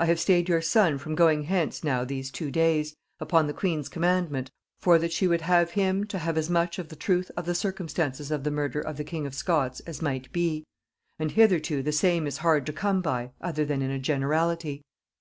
"I have stayed your son from going hence now these two days, upon the queen's commandment, for that she would have him to have as much of the truth of the circumstances of the murder of the king of Scots as might be; and hitherto the same is hard to come by, other than in a generality....